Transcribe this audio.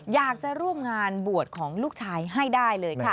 อยากจะร่วมงานบวชของลูกชายให้ได้เลยค่ะ